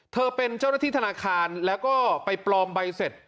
เธอเป็นเจ้าหน้าที่ธนาคารแล้วก็ไปปลอมใบเสร็จ